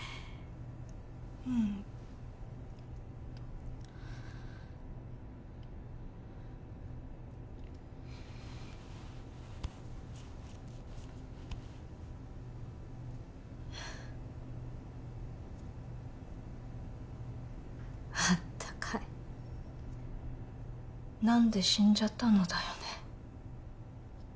ううんあったかい何で死んじゃったのだよね